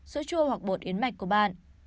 sữa chua hoặc bột yến mạch của bạn